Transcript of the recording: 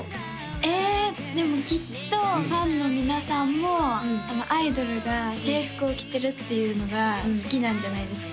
えでもきっとファンの皆さんもアイドルが制服を着てるっていうのが好きなんじゃないですか？